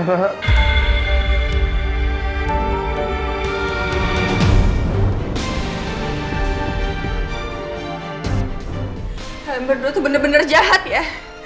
kalian berdua tuh bener bener jahat ya